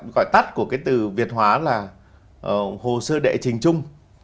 gọi tắt của cái từ việt hóa là hồ sơ đệ trình chung